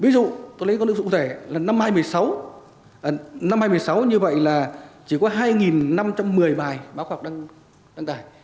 ví dụ tôi lấy con nước sụn rẻ là năm hai nghìn một mươi sáu năm hai nghìn một mươi sáu như vậy là chỉ có hai năm trăm một mươi bài báo khoa học đăng tải